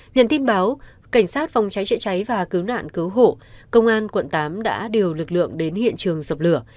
nhận tin báo cảnh sát phòng cháy chữa cháy và cứu nạn cứu hộ công an quận tám đã điều lực lượng đến hiện trường dập lửa